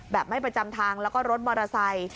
แบบไม่ประจำทางแล้วก็รถมอเตอร์ไซค์